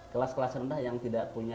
kelas kelas rendah yang tidak punya